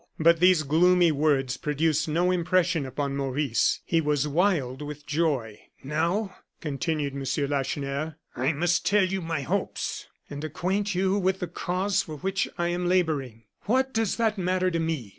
But these gloomy words produced no impression upon Maurice; he was wild with joy. "Now," continued M. Lacheneur, "I must tell you my hopes, and acquaint you with the cause for which I am laboring " "What does that matter to me?"